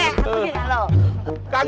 pergi kan lo